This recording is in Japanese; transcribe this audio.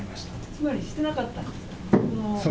つまりしてなかったんですか？